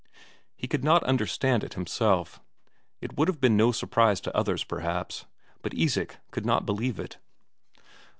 He could not understand it himself. It would have been no surprise to others, perhaps, but Isak could not believe it.